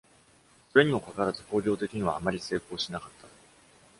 それにもかかわらず、興行的にはあまり成功しなかった。